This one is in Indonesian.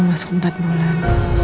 masuk empat bulan